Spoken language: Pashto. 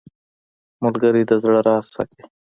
ملګری د زړه راز ساتي